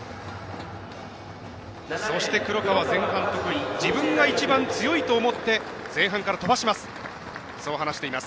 そして黒川、前半、特に自分が一番強いと思って前半から飛ばしますそう話しています。